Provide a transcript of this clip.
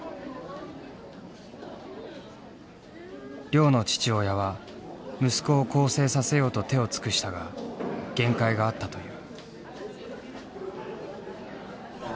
亮の父親は息子を更生させようと手を尽くしたが限界があったという。